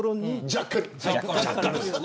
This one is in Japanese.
ジャッカル。